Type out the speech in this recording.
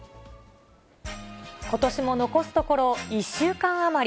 ことしも残すところ１週間余り。